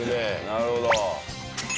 なるほど。